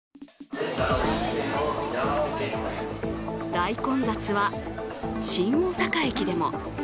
大混雑は新大阪駅でも。